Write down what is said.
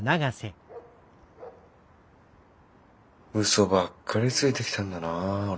嘘ばっかりついてきたんだな俺。